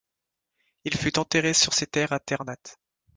Il fut enterré sur ses terres à Ternat.